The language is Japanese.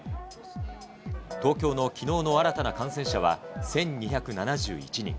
東京のきのうの新たな感染者は１２７１人。